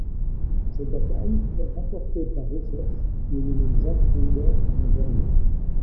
Cette bataille est remportée par Rusev qui élimine Zack Ryder en dernier.